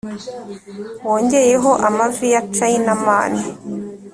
wongeyeho amavi ya chinaman